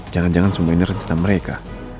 jangan jangan semua ini rencana mereka